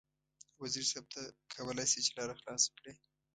وزیر صیب ته کولای شې چې لاره خلاصه کړې.